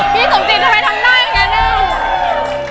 พี่สมจิตทำไมทำได้อย่างนั้น